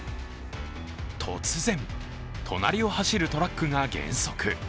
突然、隣を走るトラックが減速。